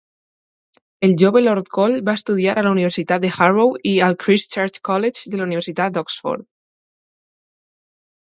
El jove Lord Cole va estudiar a la Universitat de Harrow i al Christ Church College de la Universitat d'Oxford.